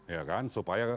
ya kan supaya